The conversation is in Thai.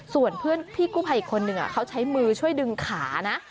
ส่วนเพื่อนพี่กู้ภัยอีกคนนึงเขาใช้มือช่วยดึงขานะ